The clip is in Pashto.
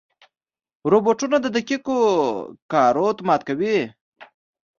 روبوټونه د دقیقو کارونو اتومات کوي.